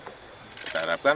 kita harapkan masyarakat